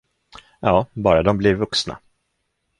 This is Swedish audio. Ja, bara de blir vuxna.